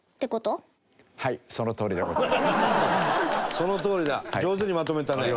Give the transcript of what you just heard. そのとおりだ上手にまとめたね。